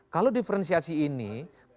kalau diferensiasi ini kemudian diperbaiki